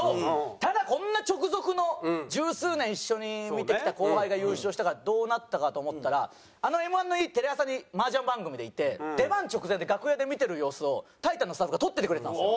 ただこんな直属の十数年一緒に見てきた後輩が優勝したからどうなったかと思ったらあのＭ−１の日テレ朝に麻雀番組でいて出番直前で楽屋で見てる様子をタイタンのスタッフが撮っててくれてたんですよ。